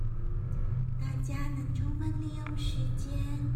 大家能充分利用時間